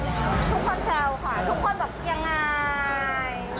ตกคนแทรวค่ะทุกคนแบบยังไง